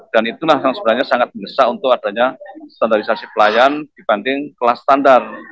dan itu sebenarnya sangat besar untuk adanya standarisasi pelayan dibanding kelas standar